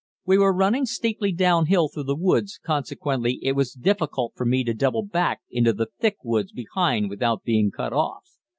We were running steeply down hill through the woods, consequently it was difficult for me to double back into the thick woods behind without being cut off.